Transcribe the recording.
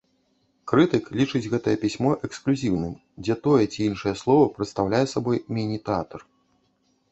Крытык лічыць гэтае пісьмо эксклюзіўным, дзе тое ці іншае слова прадстаўляе сабой міні-тэатр.